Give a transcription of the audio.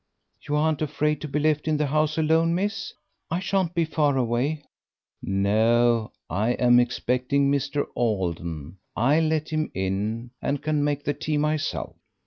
"You aren't afraid to be left in the house alone, miss? I shan't be far away." "No. I am expecting Mr. Alden. I'll let him in, and can make the tea myself."